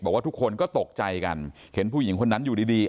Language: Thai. ทุกคนก็ตกใจกันเห็นผู้หญิงคนนั้นอยู่ดีดี